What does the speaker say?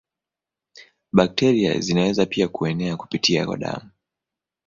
Bakteria zinaweza pia kuenea kupitia kwa damu.